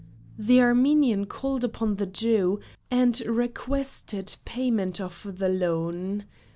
The Armenian called upon the Jew, and requested payment of the loan.